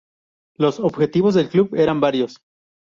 Los objetivos del club eran varios.